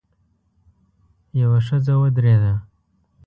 يوه ښځه ودرېده.